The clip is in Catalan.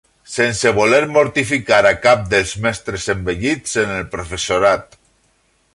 Sense voler mortificar a cap dels mestres envellits en el professorat